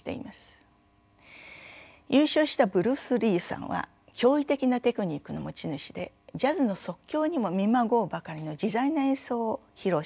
優勝したブルース・リウさんは驚異的なテクニックの持ち主でジャズの即興にも見まごうばかりの自在な演奏を披露しました。